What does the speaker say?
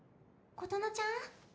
琴乃ちゃん？